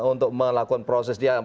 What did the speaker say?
untuk melakukan proses